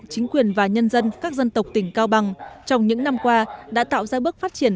chính quyền và nhân dân các dân tộc tỉnh cao bằng trong những năm qua đã tạo ra bước phát triển